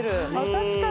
確かに。